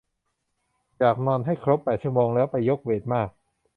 อยากนอนให้ครบแปดชั่วโมงแล้วไปยกเวทมาก